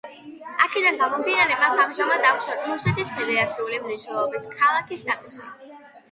აქედან გამომდინარე მას ამჟამად აქვს რუსეთის ფედერალური მნიშვნელობის ქალაქის სტატუსი.